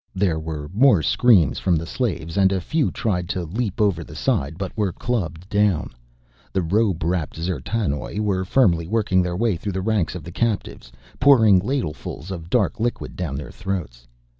There were more screams from the slaves, and a few tried to leap over the side but were clubbed down. The robe wrapped D'zertanoj were firmly working their way through the ranks of the captives, pouring ladlefuls of dark liquid down their throats.